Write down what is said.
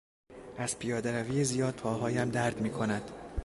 از پیادهروی زیاد پاهایم درد میکند.